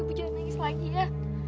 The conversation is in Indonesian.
nih bu jangan nangis lagi ya